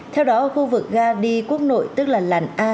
theo đó khu vực ga đi quốc nội tức là làn a